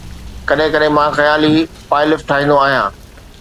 ڪڏهن ڪڏهن مان خيالي پائلف ٺاهيندو آهيان